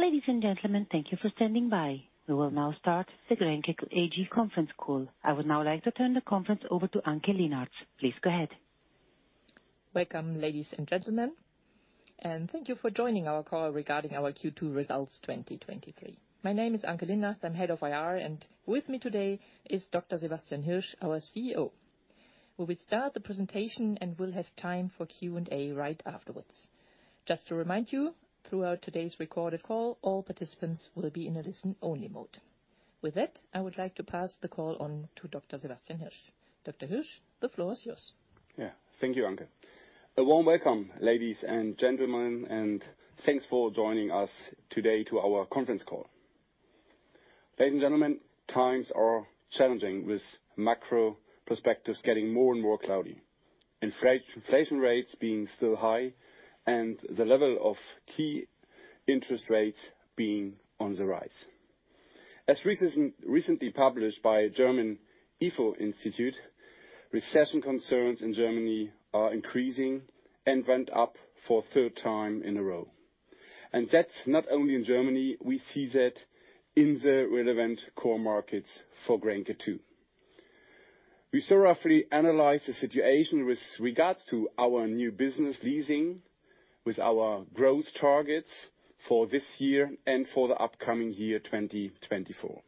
Ladies and gentlemen, thank you for standing by. We will now start the Grenke AG Conference Call. I would now like to turn the conference over to Anke Linnartz. Please go ahead. Welcome, ladies and gentlemen, thank you for joining our call regarding our Q2 Results 2023. My name is Anke Linnartz. I'm Head of IR, and with me today is Dr. Sebastian Hirsch, our CEO. We will start the presentation, and we'll have time for Q&A right afterwards. Just to remind you, throughout today's recorded call, all participants will be in a listen-only mode. With that, I would like to pass the call on to Dr. Sebastian Hirsch. Dr. Hirsch, the floor is yours. Yeah. Thank you, Anke. A warm welcome, ladies and gentlemen, Thanks for joining us today to our conference call. Ladies and gentlemen, times are challenging, with macro perspectives getting more and more cloudy, inflation rates being still high, and the level of key interest rates being on the rise. As recently published by German ifo Institute, recession concerns in Germany are increasing and went up for a third time in a row. That's not only in Germany. We see that in the relevant core markets for Grenke, too. We thoroughly analyzed the situation with regards to our new business leasing with our growth targets for this year and for the upcoming year, 2024.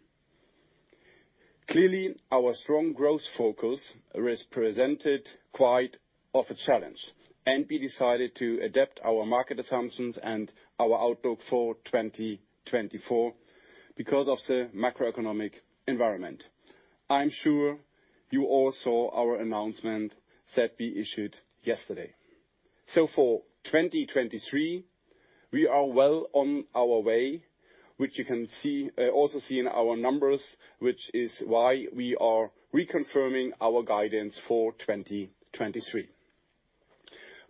Clearly, our strong growth focus is presented quite of a challenge, We decided to adapt our market assumptions and our outlook for 2024 because of the macroeconomic environment. I'm sure you all saw our announcement that we issued yesterday. For 2023, we are well on our way, which you can also see in our numbers, which is why we are reconfirming our guidance for 2023.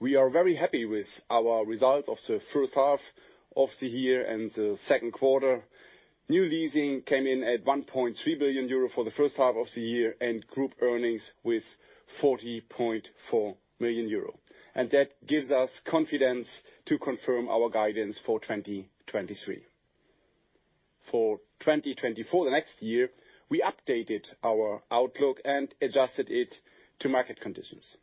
We are very happy with our results of the first half of the year and the second quarter. New leasing came in at 1.3 billion euro for the first half of the year and group earnings with 40.4 million euro, and that gives us confidence to confirm our guidance for 2023. For 2024, the next year, we updated our outlook and adjusted it to market conditions.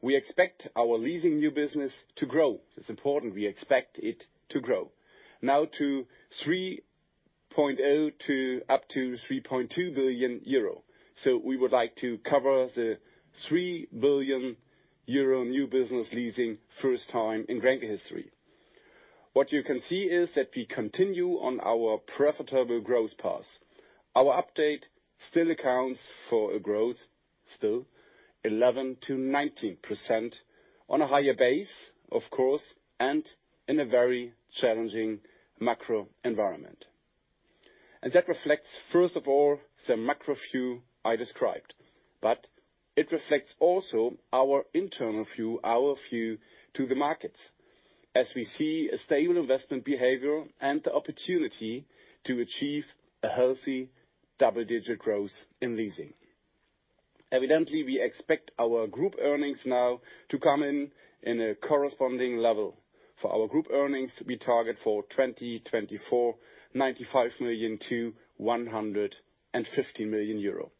We expect our leasing new business to grow. It's important we expect it to grow now to 3.0 billion to up to 3.2 billion euro. We would like to cover the 3 billion euro new business leasing first time in Grenke history. What you can see is that we continue on our profitable growth path. Our update still accounts for a growth, still 11%-19% on a higher base, of course, and in a very challenging macro environment. That reflects, first of all, the macro view I described, but it reflects also our internal view, our view to the markets, as we see a stable investment behavior and the opportunity to achieve a healthy double-digit growth in leasing. Evidently, we expect our group earnings now to come in in a corresponding level. For our group earnings, we target for 2024, 95 million-150 million euro,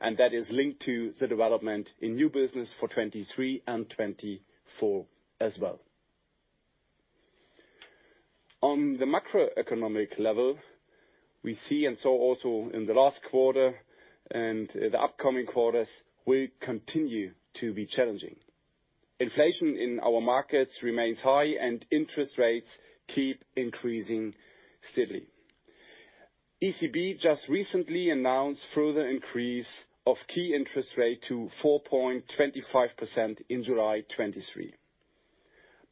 and that is linked to the development in new business for 2023 and 2024 as well. On the macroeconomic level, we see, and so also in the last quarter and the upcoming quarters, will continue to be challenging. Inflation in our markets remains high, and interest rates keep increasing steadily. ECB just recently announced further increase of key interest rate to 4.25% in July 2023.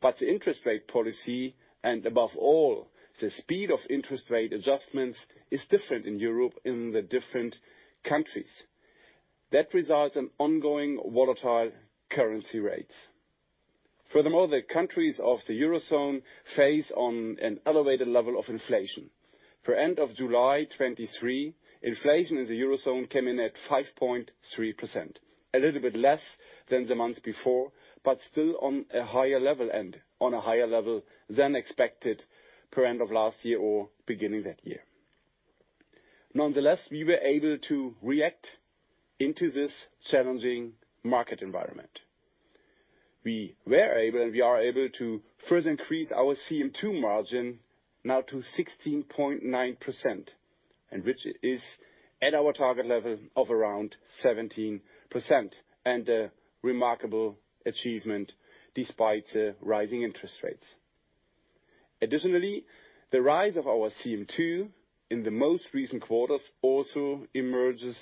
The interest rate policy, and above all, the speed of interest rate adjustments, is different in Europe in the different countries. That results in ongoing volatile currency rates. Furthermore, the countries of the Eurozone face on an elevated level of inflation. For end of July 2023, inflation in the Eurozone came in at 5.3%, a little bit less than the months before, but still on a higher level, and on a higher level than expected per end of last year or beginning that year. Nonetheless, we were able to react into this challenging market environment. We were able, and we are able to further increase our CM2 margin now to 16.9%, which is at our target level of around 17%, a remarkable achievement despite the rising interest rates. Additionally, the rise of our CM2 in the most recent quarters also emerges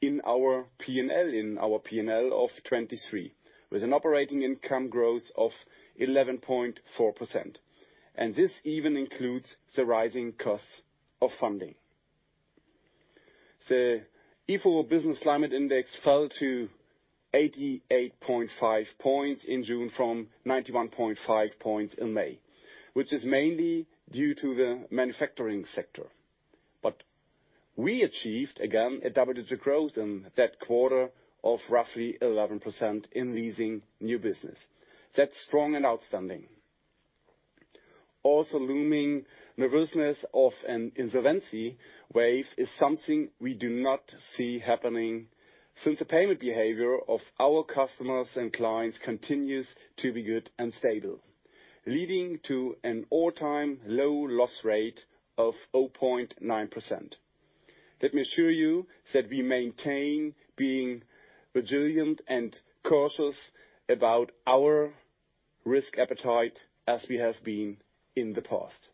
in our PNL, in our PNL of 2023, with an operating income growth of 11.4%. This even includes the rising costs of funding. The ifo Business Climate Index fell to 88.5 points in June from 91.5 points in May, which is mainly due to the manufacturing sector. We achieved, again, a double-digit growth in that quarter of roughly 11% in leasing new business. That's strong and outstanding. Looming nervousness of an insolvency wave is something we do not see happening, since the payment behavior of our customers and clients continues to be good and stable, leading to an all-time low loss rate of 0.9%. Let me assure you that we maintain being resilient and cautious about our risk appetite as we have been in the past.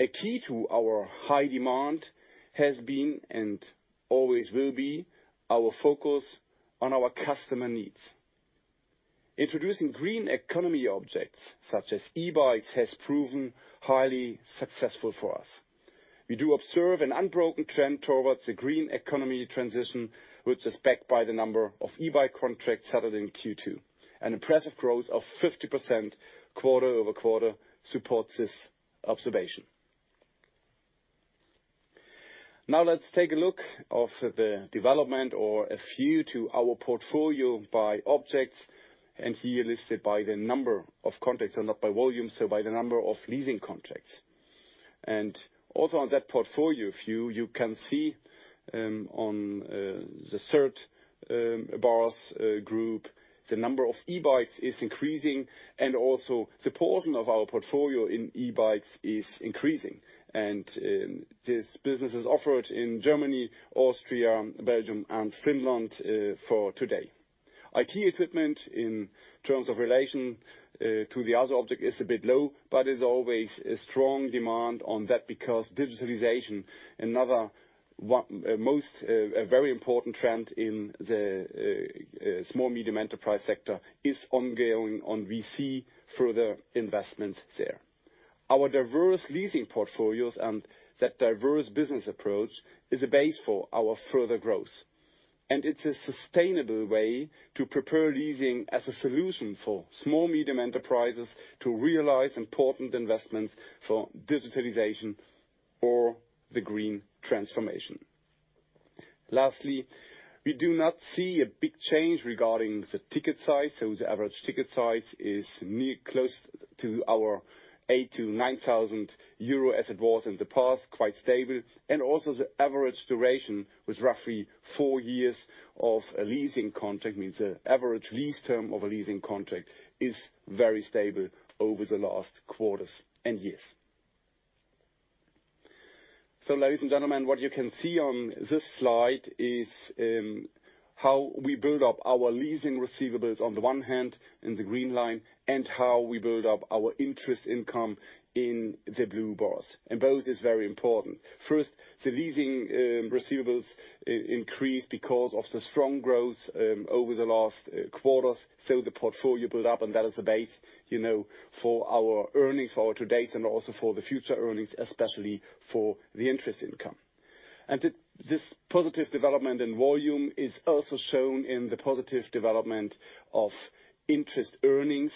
A key to our high demand has been, and always will be, our focus on our customer needs. Introducing green economy objects, such as e-bikes, has proven highly successful for us. We do observe an unbroken trend towards the green economy transition, which is backed by the number of e-bike contracts settled in Q2. An impressive growth of 50% quarter-over-quarter supports this observation. Now let's take a look of the development or a view to our portfolio by objects, and here listed by the number of contracts and not by volume, so by the number of leasing contracts. Also on that portfolio view, you can see on the third bars group, the number of e-bikes is increasing, and also the portion of our portfolio in e-bikes is increasing. This business is offered in Germany, Austria, Belgium, and Finland for today. IT equipment, in terms of relation to the other object, is a bit low, but there's always a strong demand on that because digitalization, another most a very important trend in the small medium enterprise sector, is ongoing, and we see further investments there. Our diverse leasing portfolios and that diverse business approach is a base for our further growth, and it's a sustainable way to prepare leasing as a solution for small, medium enterprises to realize important investments for digitalization or the green transformation. Lastly, we do not see a big change regarding the ticket size. The average ticket size is close to our 8,000-9,000 euro, as it was in the past, quite stable. Also the average duration was roughly four years of a leasing contract, means the average lease term of a leasing contract is very stable over the last quarters and years. Ladies and gentlemen, what you can see on this slide is how we build up our leasing receivables on the one hand, in the green line, and how we build up our interest income in the blue bars. Both is very important. First, the leasing receivables increase because of the strong growth over the last quarters. The portfolio build up, and that is a base, you know, for our earnings for today and also for the future earnings, especially for the interest income. This positive development in volume is also shown in the positive development of interest earnings.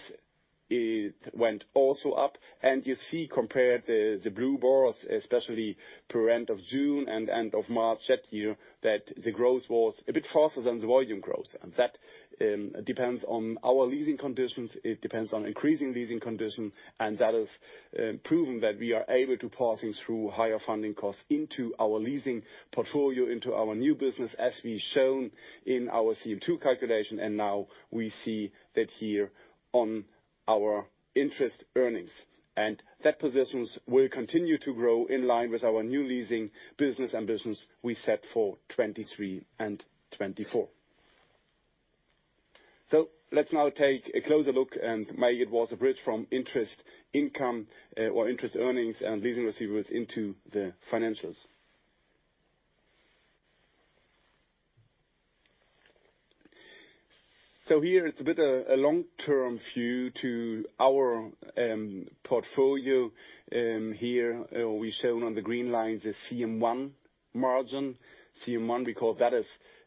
It went also up, and you see, compared the blue bars, especially per end of June and end of March that year, that the growth was a bit faster than the volume growth. That depends on our leasing conditions, it depends on increasing leasing conditions, and that is proving that we are able to passing through higher funding costs into our leasing portfolio, into our new business, as we've shown in our CM2 calculation, and now we see that here on our interest earnings. That positions will continue to grow in line with our new leasing business and business we set for 2023 and 2024. Let's now take a closer look and make it was a bridge from interest income or interest earnings and leasing receivables into the financials. Here it's a bit a, a long-term view to our portfolio. Here we've shown on the green line, the CM1 margin. CM1, we call that as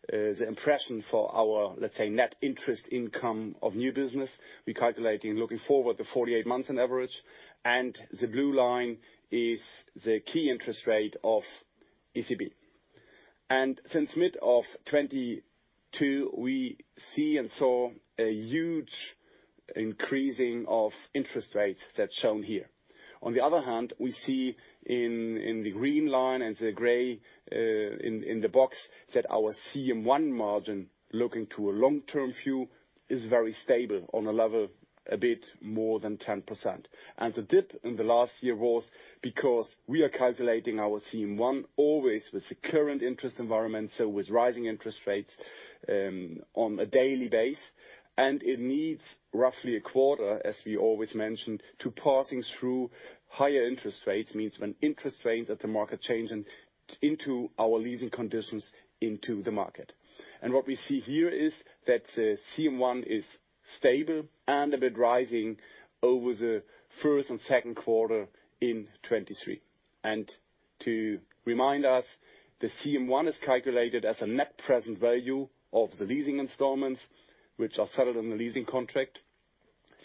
the impression for our, let's say, net interest income of new business. We're calculating looking forward to 48 months on average. The blue line is the key interest rate of ECB. Since mid of 2022, we see and saw a huge increasing of interest rates that's shown here. On the other hand, we see in, in the green line and the gray in, in the box, that our CM1 margin, looking to a long-term view, is very stable on a level a bit more than 10%. The dip in the last year was because we are calculating our CM1 always with the current interest environment, so with rising interest rates, on a daily base. It needs roughly a quarter, as we always mention, to passing through higher interest rates, means when interest rates at the market change and into our leasing conditions into the market. What we see here is that the CM1 is stable and a bit rising over the first and second quarter in 2023. To remind us, the CM1 is calculated as a net present value of the leasing installments, which are settled in the leasing contract.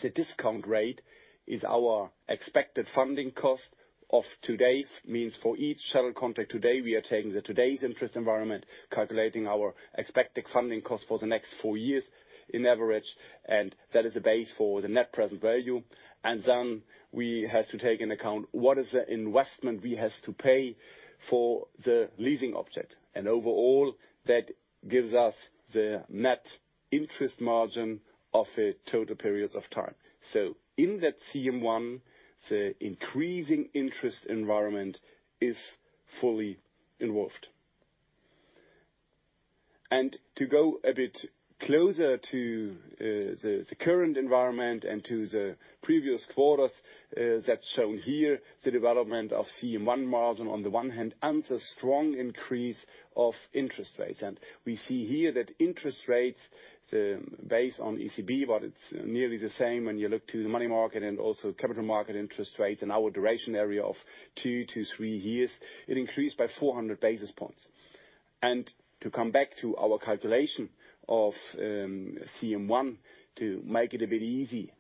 The discount rate is our expected funding cost of today. Means for each shuttle contract today, we are taking the today's interest environment, calculating our expected funding cost for the next four years in average, and that is the base for the net present value. Then we have to take into account what is the investment we have to pay for the leasing object? Overall, that gives us the net interest margin of a total periods of time. In that CM1, the increasing interest environment is fully involved. To go a bit closer to the current environment and to the previous quarters, that's shown here, the development of CM1 margin on the one hand, and the strong increase of interest rates. We see here that interest rates, the base on ECB, but it's nearly the same when you look to the money market and also capital market interest rates and our duration area of two to three years, it increased by 400 basis points. To come back to our calculation of CM1, to make it a bit easy,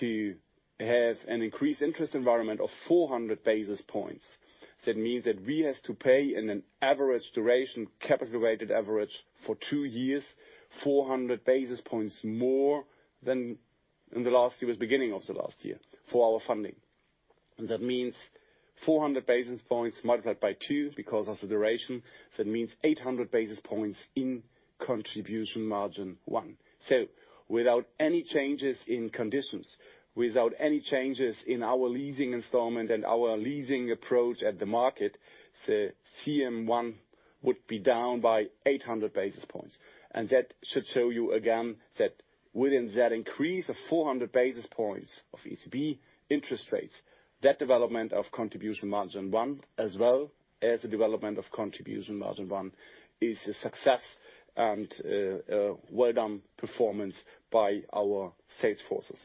to have an increased interest environment of 400 basis points, that means that we have to pay in an average duration, capital-weighted average, for two years, 400 basis points more than in the last year, beginning of the last year, for our funding. That means 400 basis points multiplied by two, because of the duration, that means 800 basis points in contribution margin 1. Without any changes in conditions, without any changes in our leasing installment and our leasing approach at the market, the CM1 would be down by 800 basis points. That should show you again, that within that increase of 400 basis points of ECB interest rates, that development of contribution margin 1, as well as the development of contribution margin 1, is a success and a, a well-done performance by our sales forces.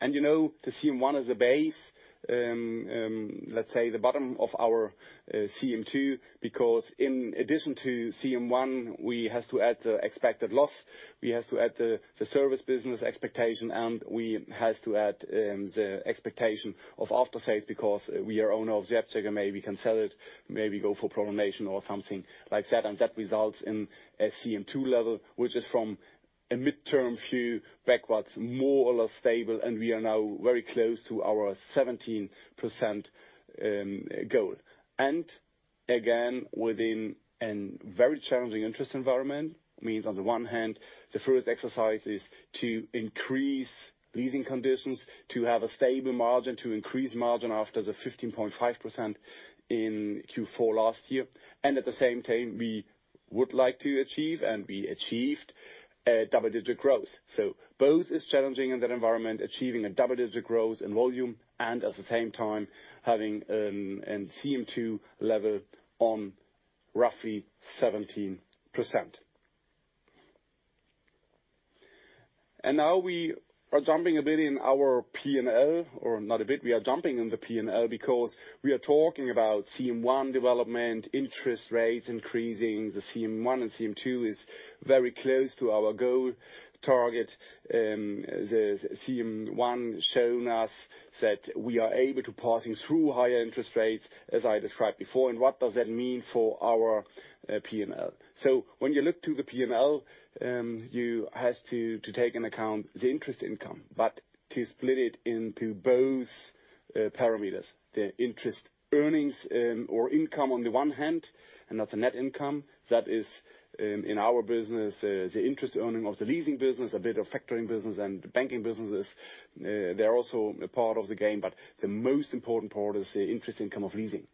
You know, the CM1 is a base, let's say, the bottom of our CM2, because in addition to CM1, we have to add the expected loss, we have to add the service business expectation, and we have to add the expectation of after-sales, because we are owner of the aircraft, maybe we can sell it, maybe go for prolongation or something like that. That results in a CM2 level, which is from a midterm view backwards, more or less stable, and we are now very close to our 17% goal. Again, within a very challenging interest environment, means on the one hand, the first exercise is to increase leasing conditions, to have a stable margin, to increase margin after the 15.5% in Q4 last year. At the same time, we would like to achieve, and we achieved, double-digit growth. Both is challenging in that environment, achieving a double-digit growth in volume and at the same time having a CM2 level on roughly 17%. Now we are jumping a bit in our P&L, or not a bit, we are jumping in the P&L because we are talking about CM1 development, interest rates increasing. The CM1 and CM2 is very close to our goal target. The CM1 shown us that we are able to passing through higher interest rates, as I described before, what does that mean for our P&L? When you look to the P&L, you have to, to take into account the interest income, but to split it into both parameters, the interest earnings, or income on the one hand, and that's a net income. That is, in our business, the interest earning of the leasing business, a bit of factoring business and banking businesses, they're also a part of the game, but the most important part is the interest income of leasing.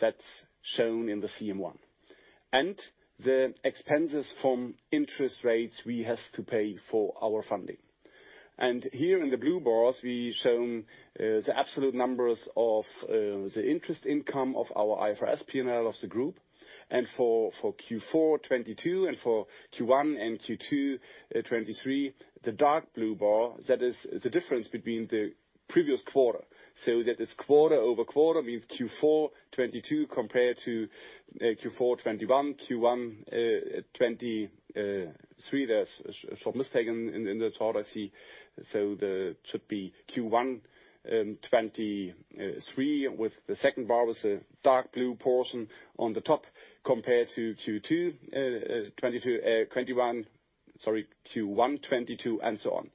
That's shown in the CM1. The expenses from interest rates we have to pay for our funding. Here in the blue bars, we've shown the absolute numbers of the interest income of our IFRS P&L of the group. For, for Q4 2022 and for Q1 and Q2 2023, the dark blue bar, that is the difference between the previous quarter. That is quarter-over-quarter, means Q4 2022 compared to Q4 2021, Q1 2023. There's a small mistake in, in the chart I see, so that should be Q1 2023, with the second bar was a dark blue portion on the top compared to Q2 2022, 2021-- sorry, Q1 2022, and so on.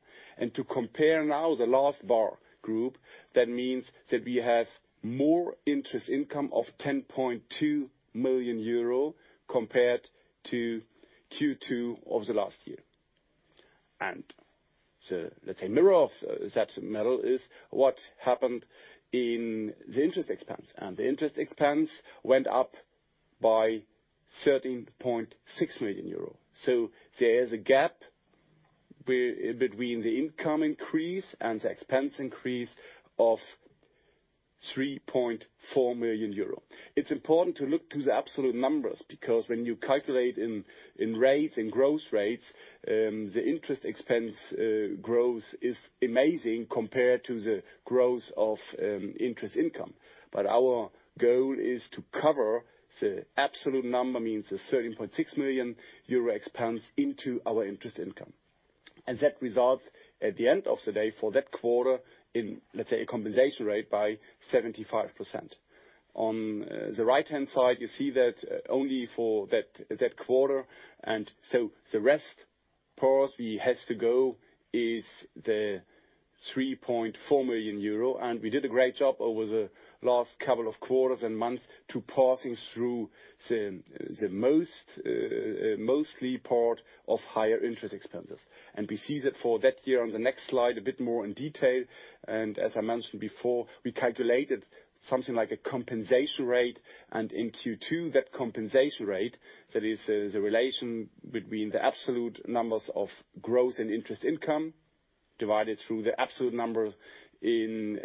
To compare now the last bar group, that means that we have more interest income of 10.2 million euro compared to Q2 of the last year. The, let's say, mirror of that model is what happened in the interest expense. The interest expense went up by 13.6 million euro. There is a gap between the income increase and the expense increase of 3.4 million euro. It's important to look to the absolute numbers, because when you calculate in, in rates, in growth rates, the interest expense growth is amazing compared to the growth of interest income. Our goal is to cover the absolute number, means the 13.6 million euro expense into our interest income. That result at the end of the day for that quarter in, let's say, a compensation rate by 75%. On the right-hand side, you see that only for that, that quarter, so the rest part we has to go is the 3.4 million euro. We did a great job over the last couple of quarters and months to passing through the, the most, mostly part of higher interest expenses. We see that for that year on the next slide, a bit more in detail. As I mentioned before, we calculated something like a compensation rate, and in Q2, that compensation rate, that is, the relation between the absolute numbers of growth and interest income, divided through the absolute number in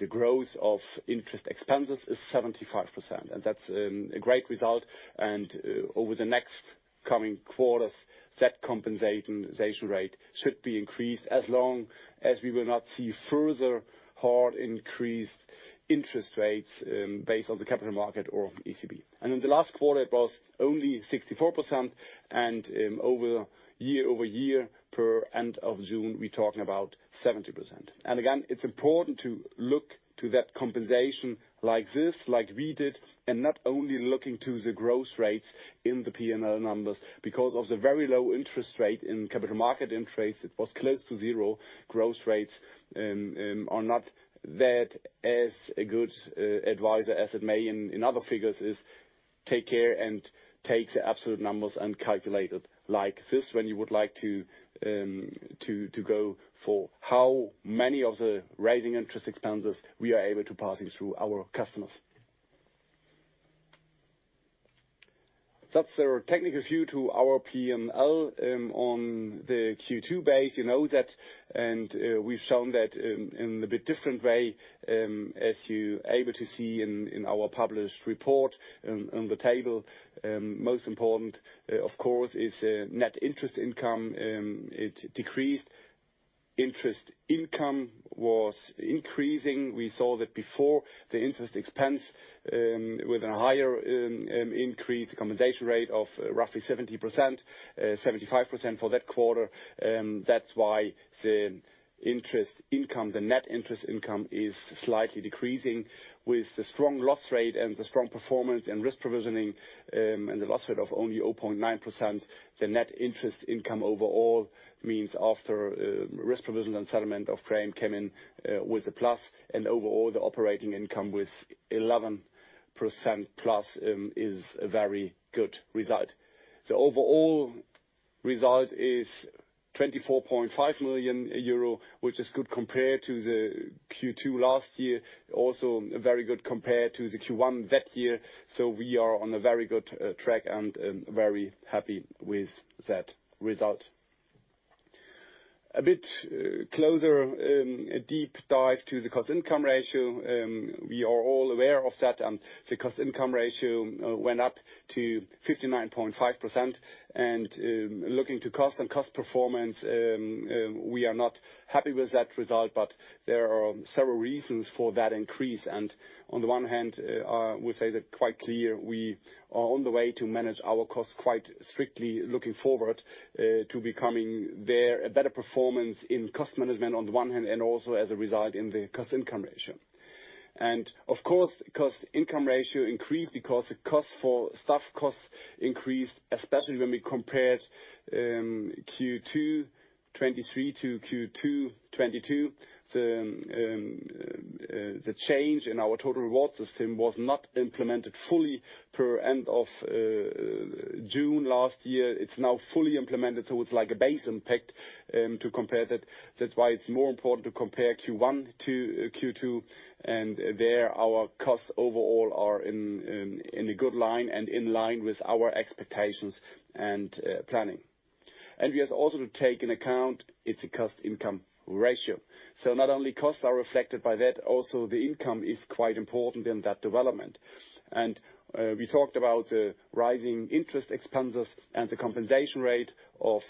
the growth of interest expenses, is 75%. That's a great result, and over the next coming quarters, that compensation rate should be increased as long as we will not see further hard increased interest rates, based on the capital market or ECB. In the last quarter, it was only 64%, and year-over-year, per end of June, we're talking about 70%. Again, it's important to look to that compensation like this, like we did, and not only looking to the growth rates in the P&L numbers. Because of the very low interest rate in capital market interest, it was close to zero. Growth rates are not that as a good advisor as it may in other figures is take care and take the absolute numbers and calculate it like this when you would like to to go for how many of the rising interest expenses we are able to passing through our customers. That's the technical view to our P&L on the Q2 base. You know that, and we've shown that in a bit different way, as you're able to see in our published report on the table. Most important, of course, is net interest income, it decreased. Interest income was increasing. We saw that before the interest expense, with a higher increase accommodation rate of roughly 70%-75% for that quarter. That's why the interest income, the net interest income, is slightly decreasing. With the strong loss rate and the strong performance and risk provisioning, and the loss rate of only 0.9%, the net interest income overall means after risk provision and settlement of claim came in with a plus, overall, the operating income with 11%+ is a very good result. The overall result is 24.5 million euro, which is good compared to the Q2 last year, also very good compared to the Q1 that year, we are on a very good track and very happy with that result. A bit closer, a deep dive to the cost-income ratio. We are all aware of that, the cost-income ratio went up to 59.5%. Looking to cost and cost performance, we are not happy with that result, there are several reasons for that increase. On the one hand, we say that quite clear, we are on the way to manage our costs quite strictly, looking forward to becoming there a better performance in cost management on the one hand, also as a result in the cost-income ratio. Of course, cost-income ratio increased because the costs for staff costs increased, especially when we compared Q2 2023 to Q2 2022. The change in our total rewards system was not implemented fully per end of June last year. It's now fully implemented, so it's like a base impact, to compare that. That's why it's more important to compare Q1 to Q2, and there, our costs overall are in, in, in a good line and in line with our expectations and planning. We have also to take in account, it's a cost-income ratio. Not only costs are reflected by that, also the income is quite important in that development. We talked about the rising interest expenses and the compensation rate of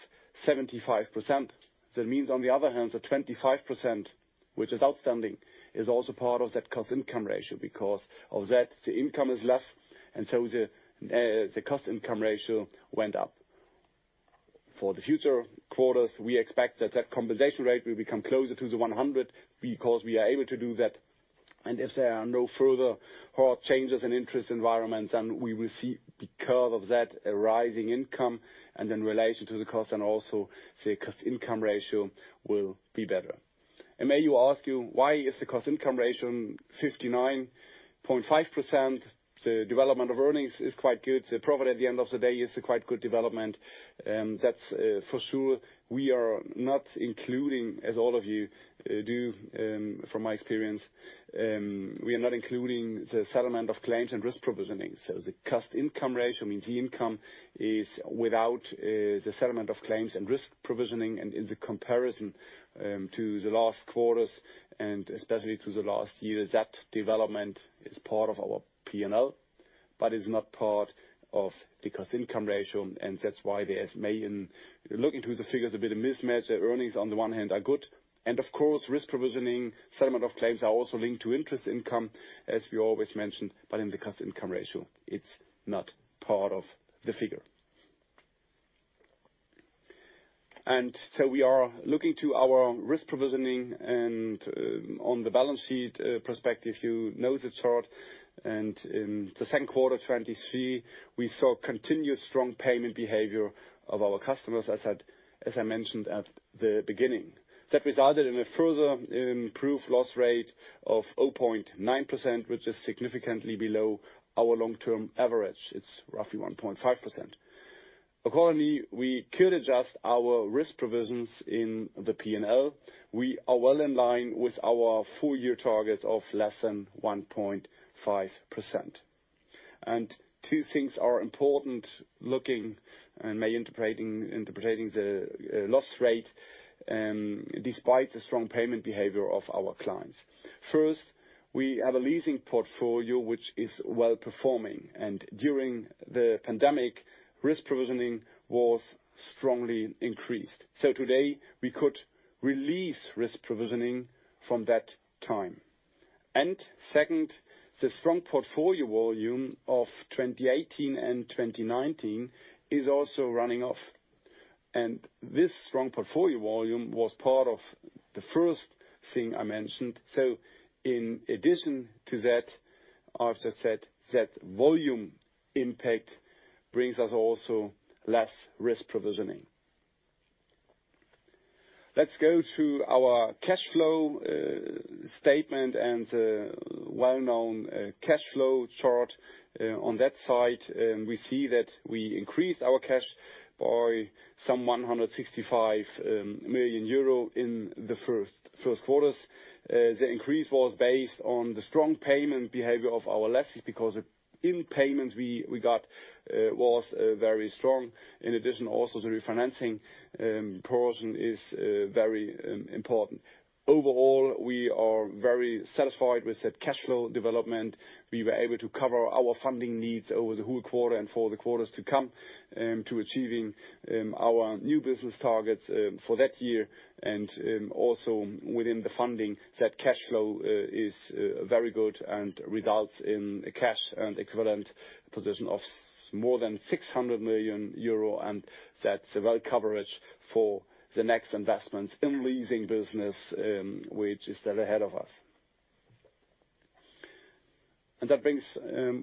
75%. That means, on the other hand, the 25%, which is outstanding, is also part of that cost-income ratio. The income is less, and so the cost-income ratio went up. For the future quarters, we expect that that compensation rate will become closer to the 100, because we are able to do that, and if there are no further hard changes in interest environments, then we will see, because of that, a rising income, and in relation to the cost and also the cost-income ratio will be better. May you ask you, why is the cost-income ratio 59.5%? The development of earnings is quite good. The profit at the end of the day is a quite good development, that's for sure. We are not including, as all of you do, from my experience, we are not including the settlement of claims and risk provisioning. The cost-income ratio means the income is without the settlement of claims and risk provisioning. In the comparison to the last quarters, and especially to the last year, that development is part of our P&L, but is not part of the cost-income ratio. That's why there's Looking through the figures, a bit of mismatch. The earnings, on the one hand, are good, of course, risk provisioning, settlement of claims, are also linked to interest income, as we always mentioned, but in the cost-income ratio, it's not part of the figure. We are looking to our risk provisioning on the balance sheet perspective, you know the chart, in 2Q 2023, we saw continuous strong payment behavior of our customers, as I, as I mentioned at the beginning. That resulted in a further improved loss rate of 0.9%, which is significantly below our long-term average. It's roughly 1.5%. Accordingly, we could adjust our risk provisions in the P&L. We are well in line with our full-year target of less than 1.5%. Two things are important looking and may interpreting the loss rate despite the strong payment behavior of our clients. First, we have a leasing portfolio which is well-performing, and during the pandemic, risk provisioning was strongly increased. Today, we could release risk provisioning from that time. Second, the strong portfolio volume of 2018 and 2019 is also running off, and this strong portfolio volume was part of the first thing I mentioned. In addition to that, I've just said that volume impact brings us also less risk provisioning. Let's go to our cash flow statement and well-known cash flow chart. On that side, we see that we increased our cash by some 165 million euro in the first quarters. The increase was based on the strong payment behavior of our lessees, because in payments we got was very strong. In addition, also, the refinancing portion is very important. Overall, we are very satisfied with that cash flow development. We were able to cover our funding needs over the whole quarter and for the quarters to come, to achieving our new business targets for that year. Also within the funding, that cash flow is very good and results in a cash and equivalent position of more than 600 million euro, and that's a well coverage for the next investments in leasing business, which is still ahead of us. That brings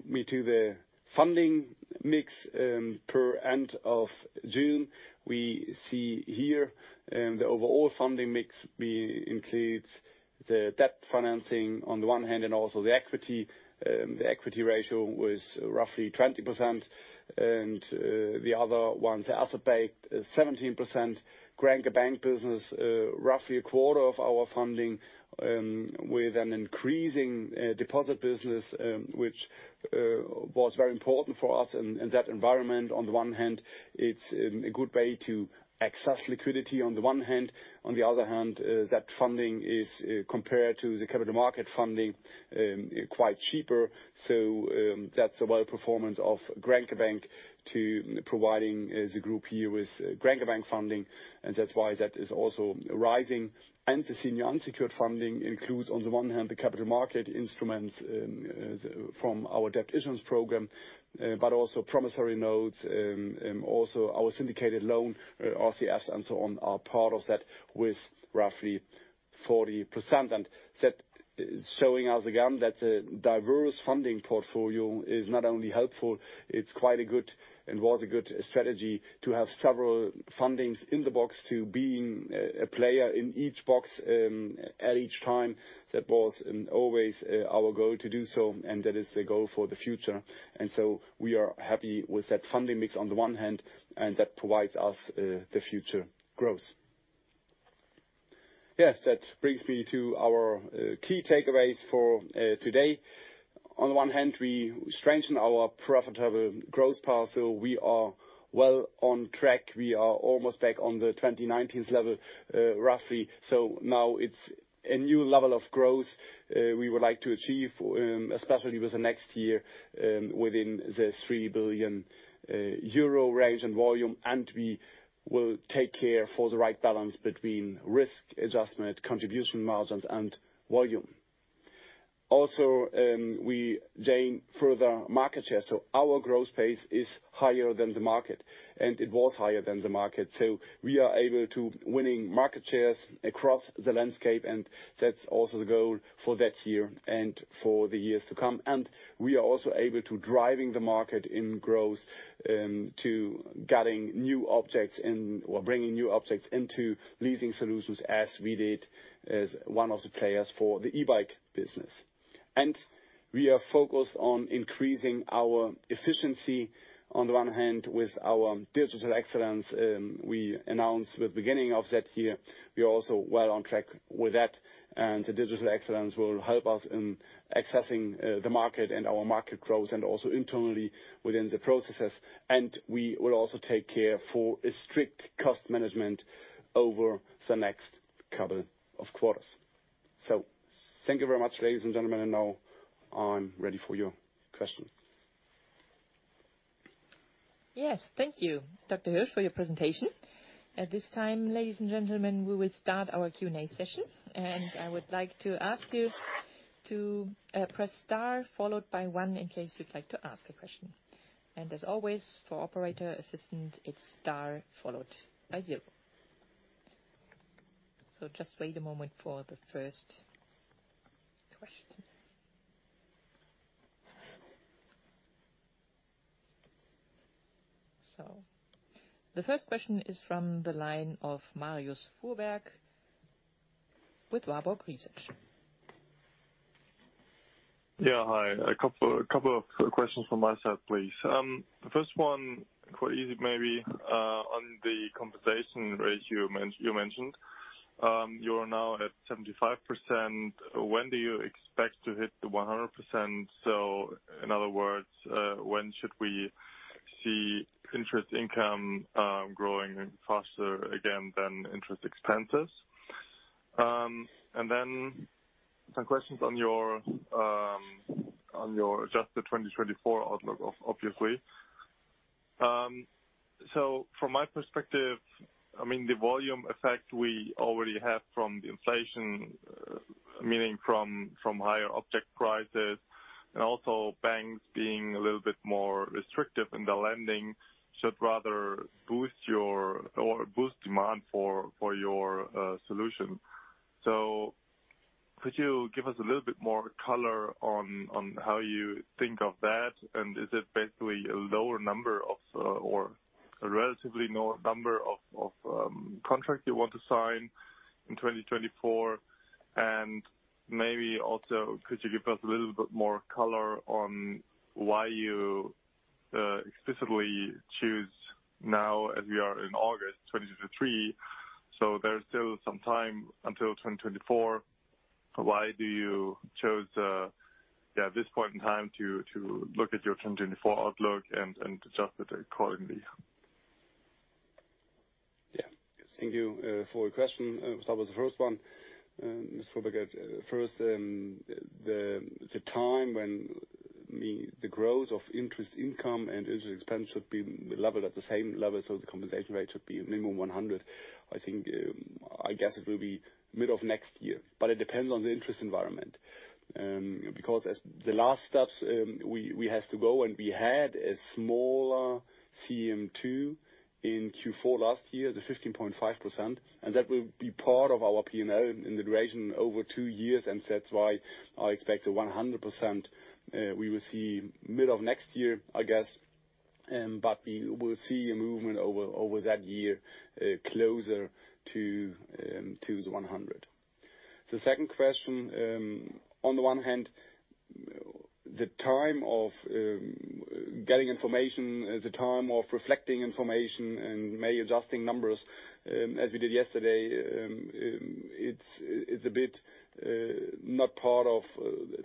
me to the funding mix per end of June. We see here the overall funding mix we includes the debt financing on the one hand and also the equity. The equity ratio was roughly 20%, the other ones, Altabank, 17%, Grenke Bank business, roughly a quarter of our funding, with an increasing deposit business, which was very important for us in that environment. On the one hand, it's a good way to access liquidity on the one hand. On the other hand, that funding is compared to the capital market funding quite cheaper. That's a well performance of Grenke Bank to providing the group here with Grenke Bank funding, and that's why that is also rising. The senior unsecured funding includes, on the one hand, the capital market instruments from our Debt Issuance Programme, but also promissory notes, also our syndicated loan, TRS, and so on, are part of that, with roughly 40%. That is showing us again that a diverse funding portfolio is not only helpful, it's quite a good and was a good strategy to have several fundings in the box, to being a player in each box at each time. That was always our goal to do so, and that is the goal for the future. We are happy with that funding mix on the one hand, and that provides us the future growth. Yes, that brings me to our key takeaways for today. On one hand, we strengthen our profitable growth path, so we are well on track. We are almost back on the 2019 level, roughly. Now it's a new level of growth we would like to achieve, especially with the next year, within the 3 billion euro range and volume. We will take care for the right balance between risk-adjustment contribution margins and volume. We gain further market share. Our growth pace is higher than the market. It was higher than the market. We are able to winning market shares across the landscape. That's also the goal for that year and for the years to come. We are also able to driving the market in growth, to getting new objects and, or bringing new objects into leasing solutions as we did as one of the players for the e-bike business. We are focused on increasing our efficiency, on the one hand, with our digital excellence, we announced with beginning of that year. We are also well on track with that, and the digital excellence will help us in accessing the market and our market growth and also internally within the processes. We will also take care for a strict cost management over the next couple of quarters. Thank you very much, ladies and gentlemen, and now I'm ready for your questions. Yes. Thank you, Dr. Hirsch, for your presentation. I would like to ask you to press star followed by one in case you'd like to ask a question. As always, for operator assistance, it's star followed by zero. Just wait a moment for the first question. The first question is from the line of Marius Fuhrberg with Warburg Research. Yeah, hi. A couple of questions from my side, please. The first one, quite easy maybe, on the compensation ratio you mentioned. You are now at 75%. When do you expect to hit the 100%? In other words, when should we see interest income growing faster again than interest expenses? Then some questions on your adjusted 2024 outlook, obviously. From my perspective, I mean, the volume effect we already have from the inflation, meaning from higher object prices, and also banks being a little bit more restrictive in the lending, should rather boost your or boost demand for your solution. Could you give us a little bit more color on how you think of that? Is it basically a lower number of, or a relatively lower number of contracts you want to sign in 2024? Maybe also, could you give us a little bit more color on why you explicitly choose now as we are in August 2023, so there's still some time until 2024. Why do you choose this point in time to look at your 2024 outlook and adjust it accordingly? Yeah. Thank you for your question. Start with the first one, Mr. Fuhrberg. First, the, the time when the, the growth of interest income and interest expense should be leveled at the same level, so the compensation rate should be a minimum 100. I think, I guess it will be middle of next year, but it depends on the interest environment. Because as the last steps, we, we has to go, and we had a smaller CM2 in Q4 last year, the 15.5%, and that will be part of our P&L in the duration over two years, and that's why I expect a 100%, we will see middle of next year, I guess. But we will see a movement over, over that year, closer to, to the 100. The second question, on the one hand, the time of getting information, the time of reflecting information and may adjusting numbers, as we did yesterday, it's a bit not part of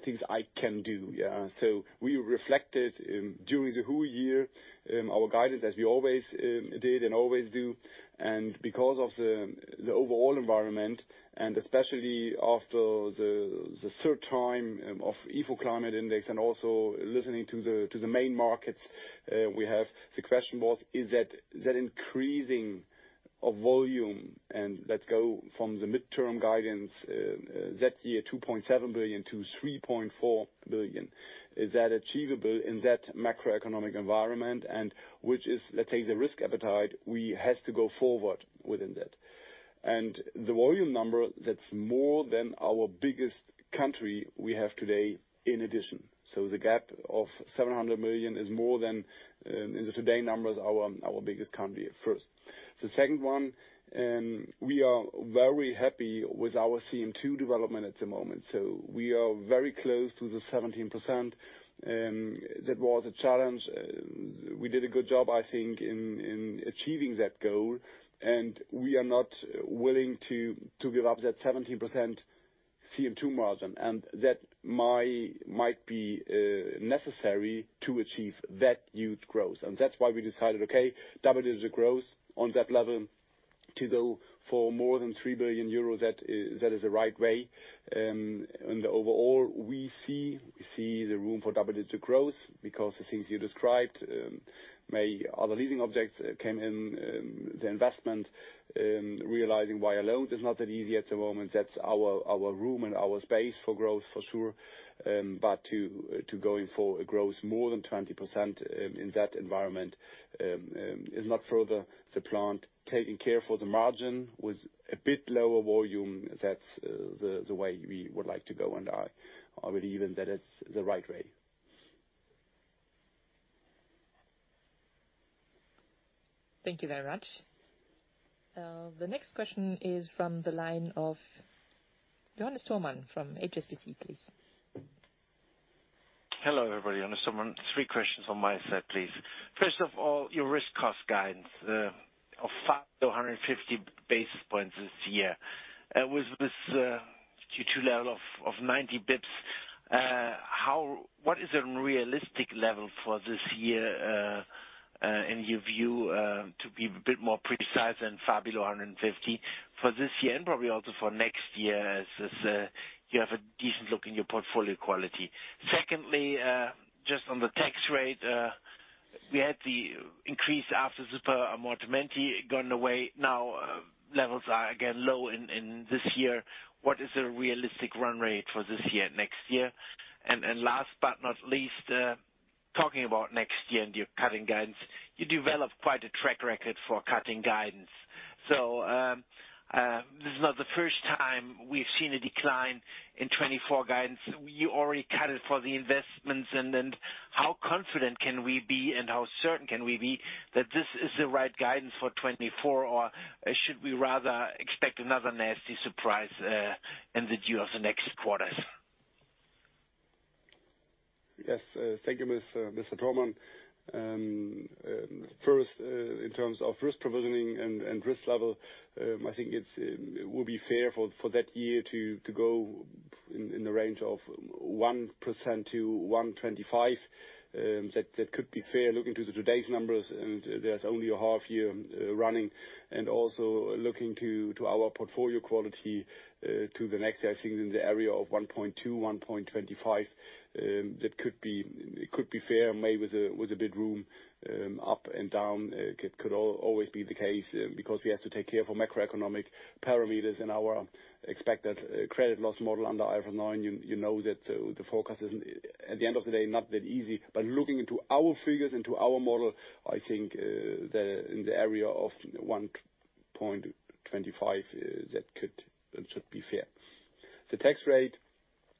things I can do. Yeah. We reflected during the whole year our guidance, as we always did and always do. Because of the overall environment, and especially after the 3rd time of ifo Climate Index and also listening to the main markets we have, the question was: Is that increasing of volume and let's go from the midterm guidance that year, 2.7 billion-3.4 billion, is that achievable in that macroeconomic environment? Which is, let's say, the risk appetite, we have to go forward within that. The volume number, that's more than our biggest country we have today, in addition. The gap of 700 million is more than, in the today numbers, our, our biggest country at first. The second one, we are very happy with our CM2 development at the moment, so we are very close to the 17%. That was a challenge. We did a good job, I think, in, in achieving that goal, and we are not willing to, to give up that 17% CM2 margin, and that might, might be necessary to achieve that huge growth. That's why we decided, okay, double the growth on that level to go for more than 3 billion euros. That is, that is the right way. And overall, we see, see the room for double-digit growth because the things you described, may other leasing objects came in the investment. Realizing via loans is not that easy at the moment. That's our, our room and our space for growth for sure, but to, to going for a growth more than 20% in that environment, is not further the plan. Taking care for the margin with a bit lower volume, that's the, the way we would like to go, and I believe that is the right way. Thank you very much. The next question is from the line of Johannes Thormann from HSBC, please. Hello, everybody. Johannes Thormann. Three questions on my side, please. First of all, your risk cost guidance of 5-150 basis points this year. With this Q2 level of 90 basis points, what is a realistic level for this year in your view, to be a bit more precise than far below 150 for this year and probably also for next year, as you have a decent look in your portfolio quality? Secondly, just on the tax rate, we had the increase after the Super-amortization gone away. Now, levels are again low in this year. What is a realistic run rate for this year, next year? Last but not least, talking about next year and you're cutting guidance. You developed quite a track record for cutting guidance. This is not the first time we've seen a decline in 2024 guidance. You already cut it for the investments, and then how confident can we be, and how certain can we be that this is the right guidance for 2024? Should we rather expect another nasty surprise in the view of the next quarters? Yes, thank you, Mr. Thormann. First, in terms of risk provisioning and risk level, I think it's, it would be fair for that year to go in the range of 1%-1.25%. That, that could be fair looking to today's numbers, there's only a half year running. Also looking to our portfolio quality to the next, I think, in the area of 1.2%-1.25%. That could be fair, maybe with a bit room up and down. It could always be the case, because we have to take care for macroeconomic parameters in our expected credit loss model under IFRS 9. You know that the focus is, at the end of the day, not that easy. Looking into our figures, into our model, I think, in the area of 1.25, that could and should be fair. The tax rate,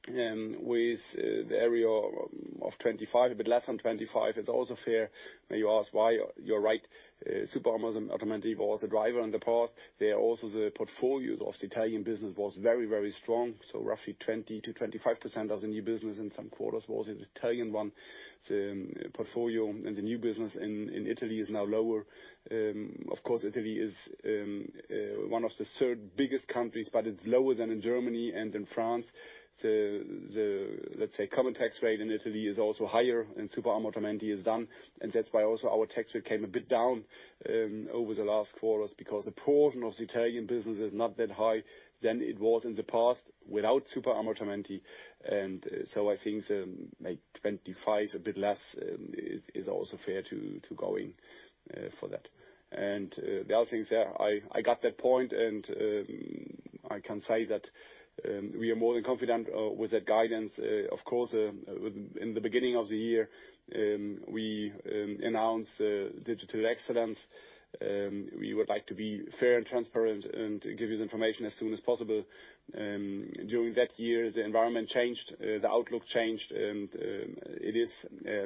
with the area of 25%, a bit less than 25%, is also fair. When you ask why, you're right. Super-amortization was the driver in the past. There are also the portfolios of the Italian business was very, very strong, so roughly 20%-25% of the new business in some quarters was in the Italian one. The portfolio and the new business in Italy is now lower. Of course, Italy is one of the third biggest countries, but it's lower than in Germany and in Fuhrberg. The, the, let's say, common tax rate in Italy is also higher, and Super Amortization is done, and that's why also our tax rate came a bit down over the last quarters, because the portion of the Italian business is not that high than it was in the past without Super Amortization. So I think the, like, 25, a bit less, is also fair to go in for that. The other things there, I got that point, and I can say that we are more than confident with that guidance. Of course, in the beginning of the year, we announced digital excellence. We would like to be fair and transparent and give you the information as soon as possible. During that year, the environment changed, the outlook changed, and it is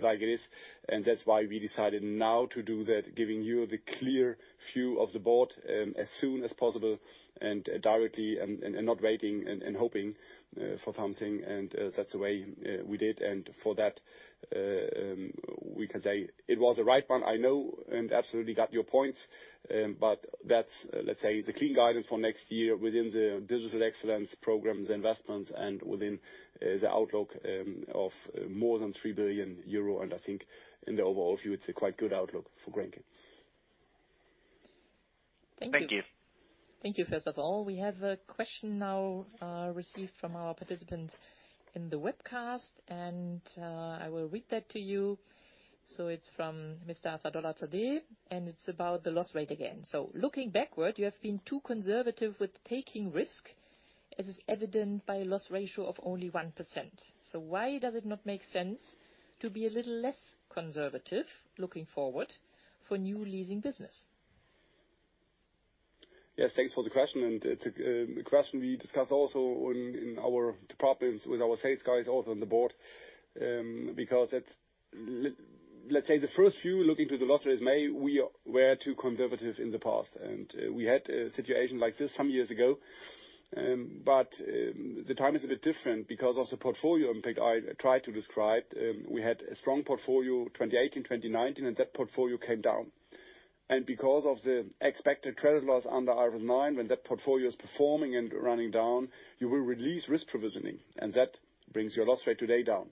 like it is, and that's why we decided now to do that, giving you the clear view of the board, as soon as possible and directly and not waiting and hoping for something. That's the way we did, and for that, we can say it was the right one. I know and absolutely got your points. But that's, let's say, the clean guidance for next year within the digital excellence programs, investments, and within the outlook of more than 3 billion euro. I think in the overall view, it's a quite good outlook for Grenke. Thank you. Thank you, first of all. We have a question now received from our participants in the webcast, and I will read that to you. It's from Mr. Asadollahzadeh, and it's about the loss rate again. Looking backward, you have been too conservative with taking risk, as is evident by a loss ratio of only 1%. Why does it not make sense to be a little less conservative looking forward for new leasing business? Yes, thanks for the question. It's a question we discussed also in, in our departments with our sales guys, also on the board. Because, let's say, the first view, looking to the loss rate, may we were too conservative in the past, and we had a situation like this some years ago. The time is a bit different because of the portfolio impact I tried to describe. We had a strong portfolio 2018 and 2019, and that portfolio came down. Because of the expected credit loss under IFRS 9, when that portfolio is performing and running down, you will release risk provisioning, and that brings your loss rate today down.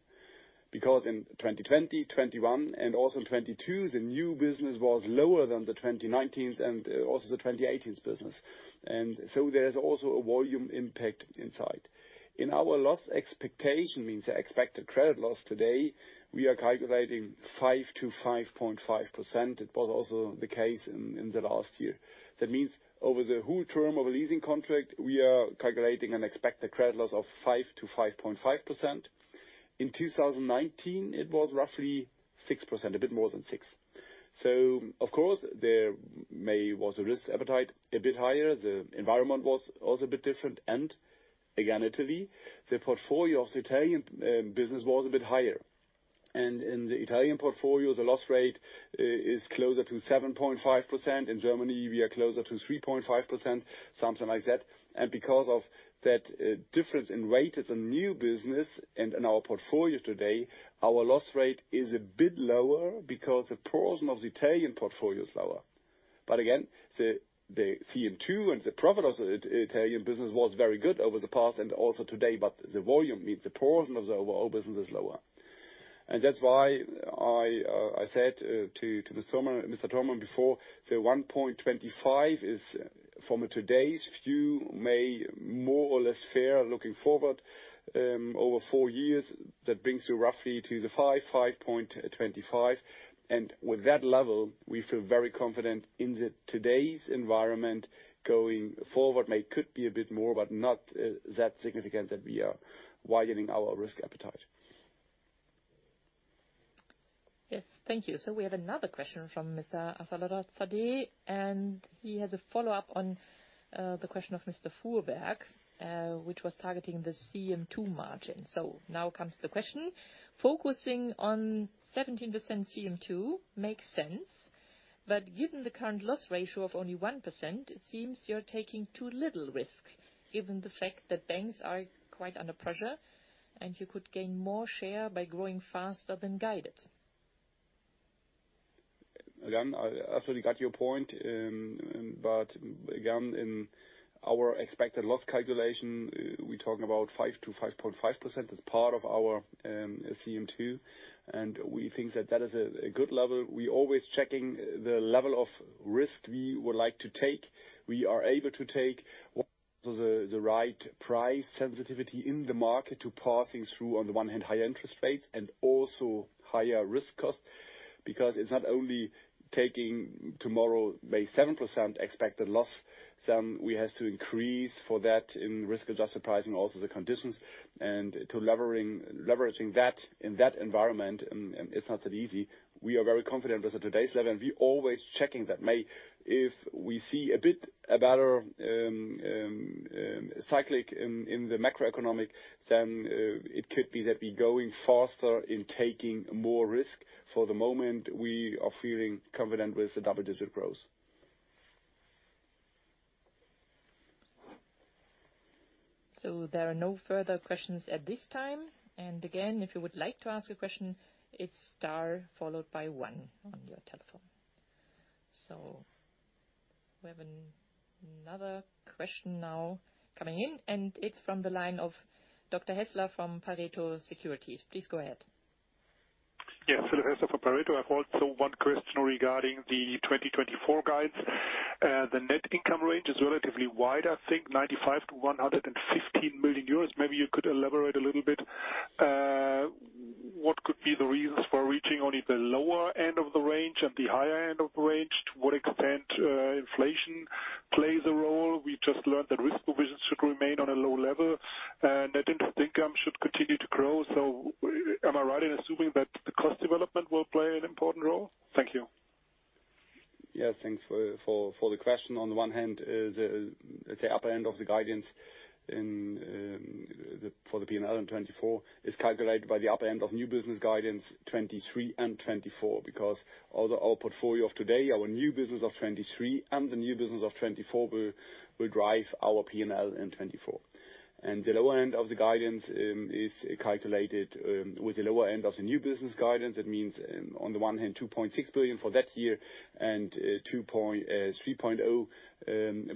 Because in 2020, 2021 and also in 2022, the new business was lower than the 2019 and also the 2018 business. There's also a volume impact inside. In our loss expectation, means the expected credit loss today, we are calculating 5% to 5.5%. It was also the case in the last year. That means over the whole term of a leasing contract, we are calculating an expected credit loss of 5%-5.5%. In 2019, it was roughly 6%, a bit more than six. Of course, there may was a risk appetite a bit higher. The environment was also a bit different. Again, Italy, the portfolio of the Italian business was a bit higher. In the Italian portfolio, the loss rate is closer to 7.5%. In Germany, we are closer to 3.5%, something like that. Because of that, difference in rate of the new business and in our portfolio today, our loss rate is a bit lower because the portion of the Italian portfolio is lower. Again, the CM2 and the profit of the Italian business was very good over the past and also today, but the volume, means the portion of the overall business is lower. That's why I said to the Mr. Thormann before, the 1.25 is from today's view, may more or less fair looking forward, over four years, that brings you roughly to the 5-5.25. With that level, we feel very confident in the today's environment going forward. May could be a bit more, but not that significant that we are widening our risk appetite. Yes, thank you. We have another question from Mr. Asadollahi, and he has a follow-up on the question of Mr. Fuhrberg, which was targeting the CM2 margin. Now comes the question: Focusing on 17% CM2 makes sense, but given the current loss ratio of only 1%, it seems you're taking too little risk, given the fact that banks are quite under pressure, and you could gain more share by growing faster than guided. Again, I absolutely got your point. Again, in our expected loss calculation, we're talking about 5%-5.5% as part of our CM2, and we think that that is a good level. We always checking the level of risk we would like to take. We are able to take the right price sensitivity in the market to passing through, on the one hand, higher interest rates and also higher risk costs. Because it's not only taking tomorrow, may 7% expected loss, then we have to increase for that in risk-adjusted pricing, also the conditions, and to levering, leveraging that in that environment, it's not that easy. We are very confident with today's level, and we always checking that may, if we see a bit, a better, cyclic in, in the macroeconomic, then, it could be that we going faster in taking more risk. For the moment, we are feeling confident with the double-digit growth. There are no further questions at this time. Again, if you would like to ask a question, it's star followed by one on your telephone. We have another question now coming in, and it's from the line of Dr. Hässler from Pareto Securities. Please go ahead. Yes, Philipp Hässler from Pareto. I've also one question regarding the 2024 guides. The net income range is relatively wide, I think 95 million-115 million euros. Maybe you could elaborate a little bit, what could be the reasons for reaching only the lower end of the range and the higher end of the range? To what extent, inflation plays a role? We've just learned that risk provisions should remain on a low level, and net interest income should continue to grow. Am I right in assuming that the cost development will play an important role? Thank you. Yes, thanks for, for, for the question. On the one hand, is, let's say, upper end of the guidance in for the PNL in 2024 is calculated by the upper end of new business guidance 2023 and 2024. Although our portfolio of today, our new business of 2023 and the new business of 2024 will, will drive our PNL in 2024. The lower end of the guidance is calculated with the lower end of the new business guidance. That means, on the one hand, 2.6 billion for that year and 3.0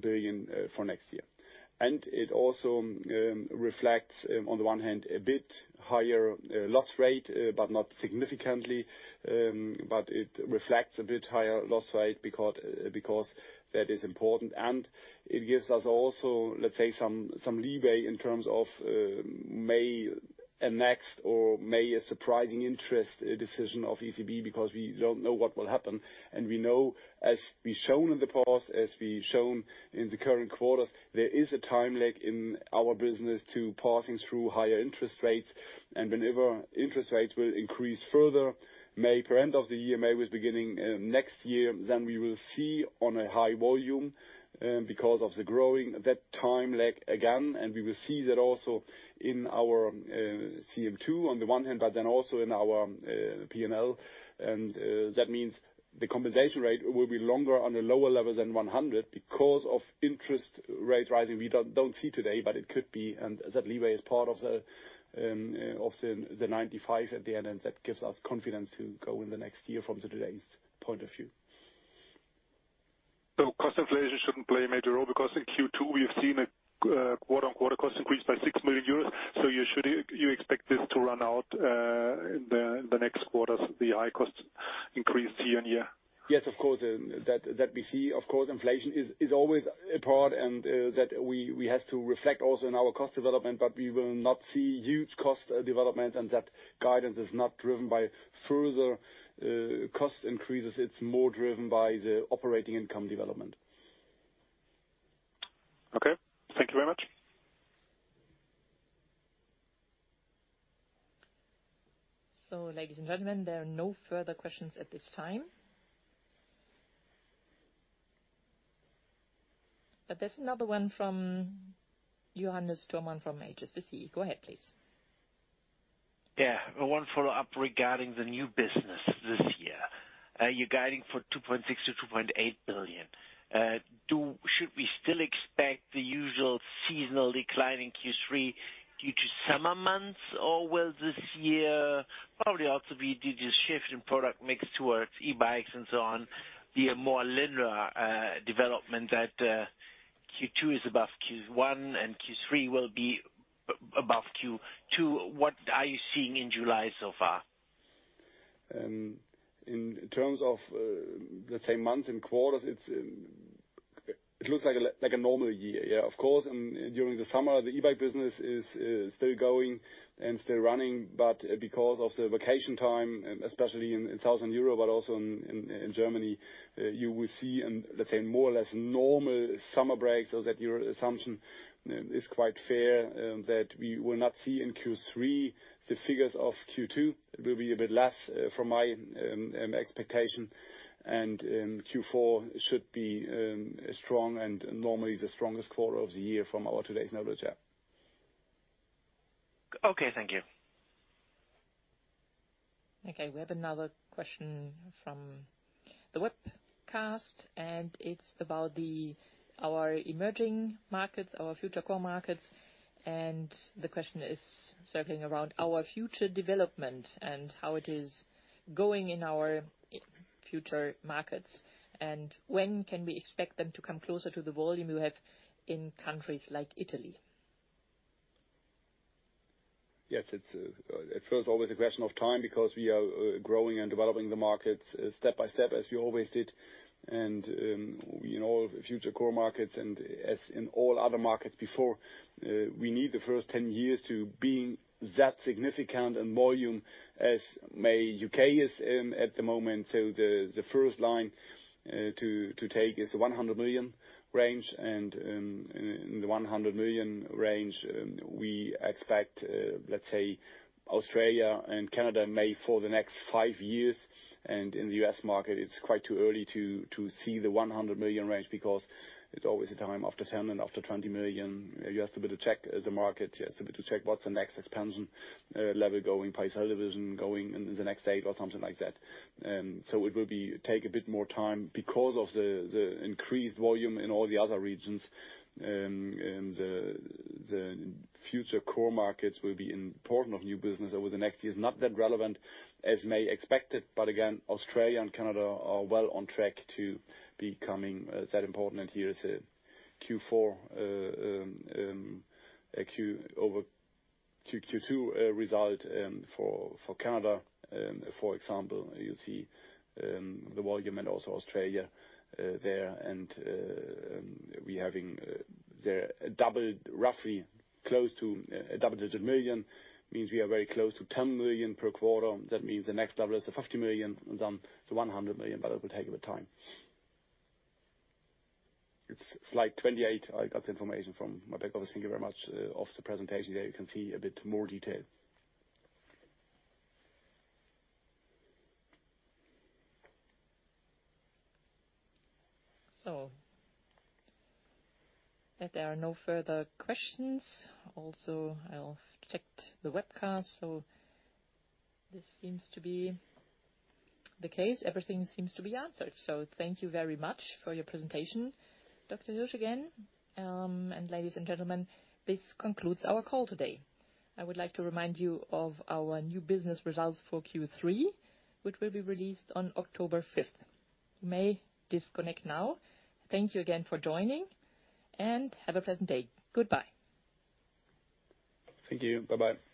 billion for next year. It also reflects, on the one hand, a bit higher loss rate, but not significantly. It reflects a bit higher loss rate because, because that is important. It gives us also, let's say, some, some leeway in terms of, may a next or may a surprising interest decision of ECB, because we don't know what will happen. We know, as we've shown in the past, as we've shown in the current quarters, there is a time lag in our business to passing through higher interest rates. Whenever interest rates will increase further, may per end of the year, may with beginning, next year, then we will see on a high volume, because of the growing that time lag again. We will see that also in our, CM2 on the one hand, but then also in our, PNL. That means the compensation rate will be longer on a lower level than 100 because of interest rate rising. We don't see today, but it could be, and that leeway is part of the, of the, the 95 at the end, and that gives us confidence to go in the next year from today's point of view. Cost inflation shouldn't play a major role, because in Q2, we've seen a quarter-on-quarter cost increase by 6 million euros. You should, you expect this to run out in the next quarters, the high cost increase year-on-year? Yes, of course, that, that we see. Of course, inflation is, is always a part, and that we, we have to reflect also in our cost development, but we will not see huge cost development, and that guidance is not driven by further cost increases. It's more driven by the operating income development. Okay. Thank you very much. Ladies and gentlemen, there are no further questions at this time. There's another one from Johannes Thormann from HSBC. Go ahead, please. Yeah, one follow-up regarding the new business this year. You're guiding for 2.6 billion-2.8 billion. Should we still expect the usual seasonal decline in Q3 due to summer months, or will this year probably also be due to shift in product mix towards e-bikes and so on, be a more linear development that Q2 is above Q1 and Q3 will be above Q2? What are you seeing in July so far? In terms of, let's say, months and quarters, it's, it looks like a normal year. Of course, during the summer, the e-bike business is still going and still running, but because of the vacation time, especially in Southern Europe, but also in Germany, you will see, let's say, more or less normal summer breaks. That your assumption is quite fair that we will not see in Q3 the figures of Q2. It will be a bit less from my expectation, and Q4 should be strong and normally the strongest quarter of the year from our today's knowledge. Okay, thank you. Okay, we have another question from the webcast, and it's about the, our emerging markets, our future core markets. The question is circling around our future development and how it is going in our, in future markets, and when can we expect them to come closer to the volume you have in countries like Italy? Yes, it's, it feels always a question of time because we are growing and developing the markets step by step, as we always did. In all future core markets and as in all other markets before, we need the first 10 years to being that significant in volume as may U.K. is at the moment. The, the first line to take is 100 million range, in the 100 million range, we expect, let's say, Australia and Canada may for the next five years. In the U.S. market, it's quite too early to see the 100 million range because it's always a time after 10 million and after 20 million, you have to be able to check the market. You have to be able to check what's the next expansion level going, pay television going in, in the next eight or something like that. It will take a bit more time because of the increased volume in all the other regions. The future core markets will be important of new business over the next years. Not that relevant, as may expect it, but again, Australia and Canada are well on track to becoming that important. Here is a Q4, a Q over, Q-Q2 result for Canada. For example, you see the volume and also Australia there. We're having roughly close to double-digit million, means we are very close to 10 million per quarter. That means the next level is the 50 million, and then the 100 million. It will take a bit time. It's slide 2018. I got the information from my back office. Thank you very much. Off the presentation there, you can see a bit more detail. If there are no further questions, also, I'll check the webcast. This seems to be the case. Everything seems to be answered. Thank you very much for your presentation, Dr. Hirsch, again. Ladies and gentlemen, this concludes our call today. I would like to remind you of our new business results for Q3, which will be released on October 5th. You may disconnect now. Thank you again for joining, and have a pleasant day. Goodbye. Thank you. Bye-bye.